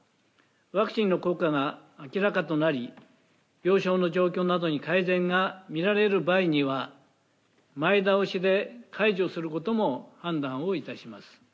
ワクチンの効果が明らかとなり、病床の状況などに改善が見られる場合には、前倒しで解除することも判断をいたします。